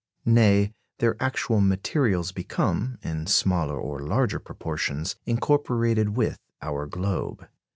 Nay, their actual materials become, in smaller or larger proportions, incorporated with our globe.